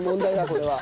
これは。